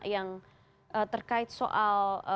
yang terkait soal